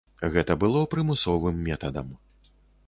Гэта было прымусовым метадам.